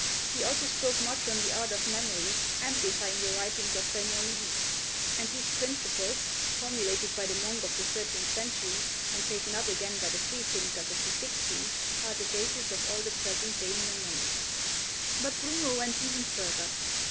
He also spoke much on the art of memory, amplifying the writings of Raymond Lully; and these principles, formulated by the monk of the thirteenth century and taken up again by the free thinkers of the sixteenth, are the basis of all the present day mnemonics. But Bruno went even further.